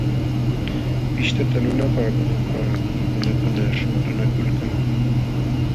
Pishtata lulpaakunanpaqmi nunakuna shuntunakulka.